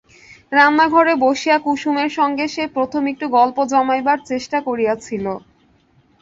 রান্নাঘরে বসিয়া কুসুমের সঙ্গে সে প্রথম একটু গল্প জমাইবার চেষ্টা করিয়াছিল।